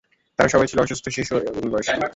তারা সবাই ছিল অসুস্থ, শিশু এবং বয়স্ক।